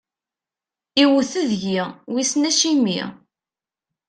Iwwet deg-i, wissen acimi.